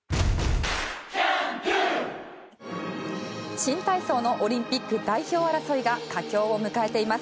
新体操のオリンピック代表争いが佳境を迎えています。